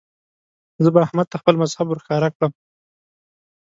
زه به احمد ته خپل مذهب ور ښکاره کړم.